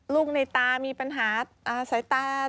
ลูกในตามีปัญหาสายตา